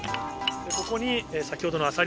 ここに先ほどの。